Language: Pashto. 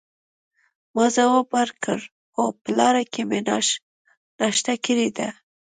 ما ځواب ورکړ: هو، په لاره کې مې ناشته کړې ده.